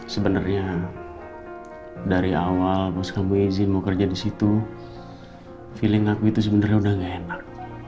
sebenarnya dari awal pas kamu izin mau kerja di situ feeling aku itu sebenarnya udah gak enak